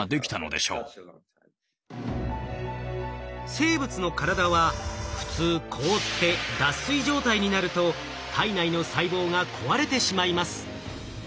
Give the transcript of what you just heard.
生物の体は普通凍って脱水状態になると体内の細胞が壊れてしまいます。